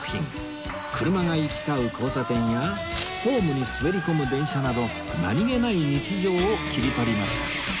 車が行き交う交差点やホームに滑り込む電車など何げない日常を切り取りました